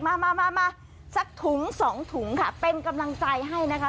มามาสักถุงสองถุงค่ะเป็นกำลังใจให้นะคะ